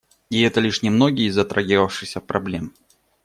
И это лишь немногие из затрагивавшихся проблем.